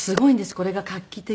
これが画期的で。